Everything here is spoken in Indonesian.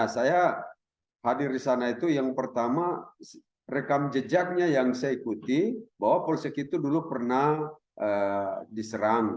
saya hadir di sana itu yang pertama rekam jejaknya yang saya ikuti bahwa polsek itu dulu pernah diserang